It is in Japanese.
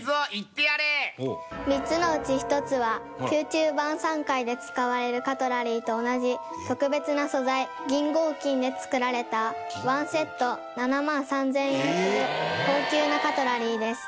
３つのうち１つは宮中晩餐会で使われるカトラリーと同じ特別な素材銀合金で作られたワンセット７万３０００円する高級なカトラリーです。